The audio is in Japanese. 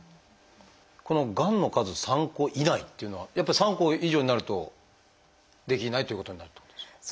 この「がんの数３個以内」っていうのはやっぱり３個以上になるとできないっていうことになるってことですか？